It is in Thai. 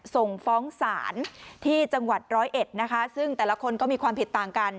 ส่งฟ้องศาลที่จังหวัดร้อยเอ็ดนะคะซึ่งแต่ละคนก็มีความผิดต่างกัน